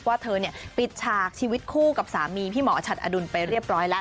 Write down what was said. ว่าเธอปิดฉากชีวิตคู่กับสามีพี่หมอฉัดอดุลไปเรียบร้อยแล้ว